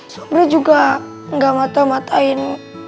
sobri juga enggak matah matahin